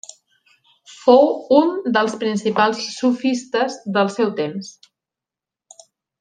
Fou un dels principals sofistes del seu temps.